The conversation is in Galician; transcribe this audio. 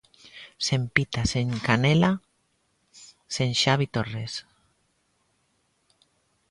Sen Pita, sen Canella, sen Xavi Torres.